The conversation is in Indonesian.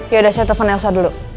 yaudah saya telepon elsa dulu